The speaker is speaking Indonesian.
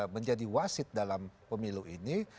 menjadi wasit dalam pemilu ini